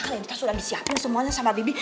kalian sudah disiapin semuanya sama bibi